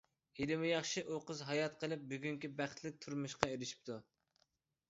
ھېلىمۇ ياخشى ئۇ قىز ھايات قېلىپ بۈگۈنكى بەختلىك تۇرمۇشقا ئېرىشىپتۇ.